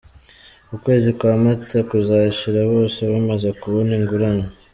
Ukwezi kwa Mata kuzashira bose bamaze kubona ingurane.